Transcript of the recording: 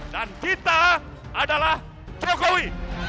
dan kita adalah jokowi